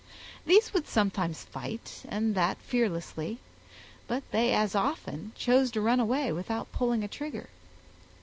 These would sometimes fight, and that fearlessly, but they as often chose to run away without pulling a trigger.